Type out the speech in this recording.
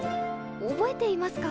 覚えていますか？